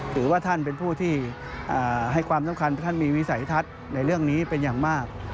ถือว่าท่านเป็นผู้ที่ให้ความสำคัญท่านมีวิสัยทัศน์ในเรื่องนี้เป็นอย่างมาก